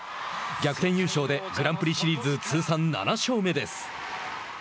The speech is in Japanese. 逆転優勝でグランプリシリーズ通算７勝目です。